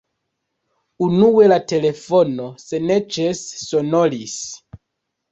Unue la telefono senĉese sonoris.